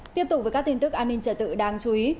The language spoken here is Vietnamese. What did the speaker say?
tiếp tục với các tin tức an ninh trở tự đáng chú ý